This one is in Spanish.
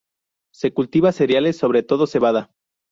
Se cultiva cereales, sobre todo cebada.